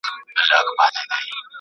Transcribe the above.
د عزت ساتل به يو لوی مکلفيت وي.